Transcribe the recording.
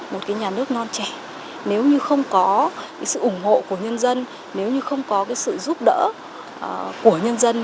một cái nhà nước non trẻ nếu như không có cái sự ủng hộ của nhân dân nếu như không có cái sự giúp đỡ của nhân dân